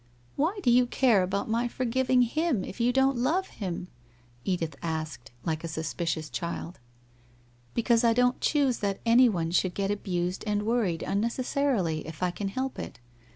Why do you care about my forgiving him, if you don't love him? ' Edith asked, like a suspicious child. 'Because I don't choose that anyone should get abused and worried unnecessarily, it' I can help it.